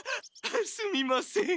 すみません。